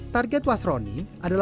target wasroni adalah petugas keberadaan